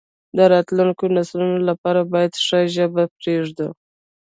د راتلونکو نسلونو لپاره باید ښه ژبه پریږدو.